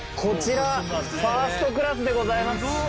こちらファーストクラスでございます。